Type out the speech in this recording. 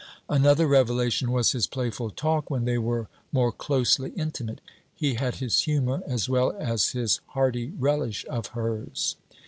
Another revelation was his playful talk when they were more closely intimate. He had his humour as well as his hearty relish of hers.